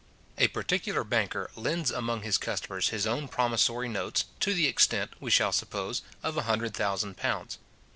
A particular banker lends among his customers his own promissory notes, to the extent, we shall suppose, of a hundred thousand pounds.